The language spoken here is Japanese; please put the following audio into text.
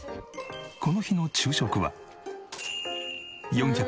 この日の昼食は。